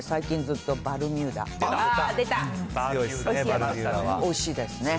強いっすね、バルミューダはおいしいですね。